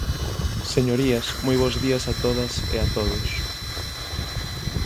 Señorías, moi bos días a todas e a todos.